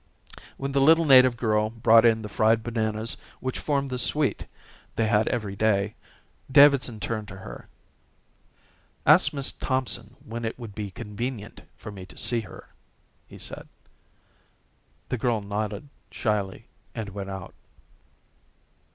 When the little native girl brought in the fried bananas which formed the sweet they had every day, Davidson turned to her. "Ask Miss Thompson when it would be convenient for me to see her," he said. The girl nodded shyly and went out.